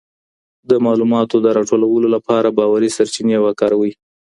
د معلوماتو د راټولولو لپاره باوري سرچینې وکاروئ.